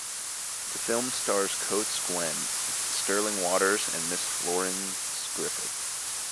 The film starred Coates Gwynne, Sterling Waters and Mrs. Florence Griffith.